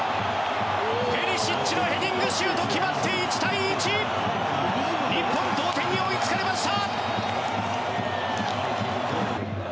ペリシッチのヘディングシュートが決まって１対１日本、同点に追いつかれました！